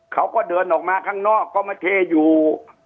เขาก็เดินออกมาข้างนอกก็มาเทอยู่